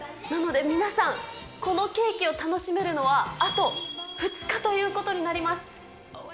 なので、皆さん、このケーキを楽しめるのは、あと２日ということになります。